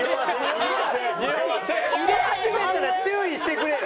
入れ始めたら注意してくれよ。